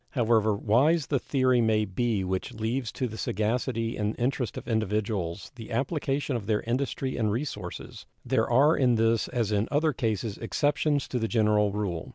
However wise the theory may be which leaves to the sagacity and interest of individuals the application of their industry and resources, there are in this as in other cases exceptions to the general rule.